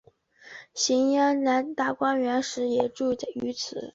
邢岫烟来大观园时也住于此。